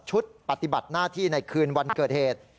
ปฏิบัติหน้าที่ในคืนวันเกิดเหตุ